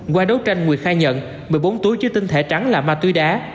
qua đấu tranh nguyệt khai nhận một mươi bốn túi chứa tinh thể trắng là ma túy đá